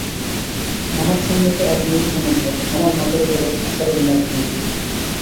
আমার সম্মুখে আজ নীল সমুদ্র, আমার মাথার উপরে আষাঢ়ের মেঘপুঞ্জ।